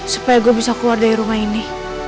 supaya gue bisa keluar dari rumah ini